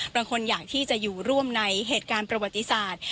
บางคนอยากที่จะอยู่ร่วมในเหตุการณ์ประวัติศาสตร์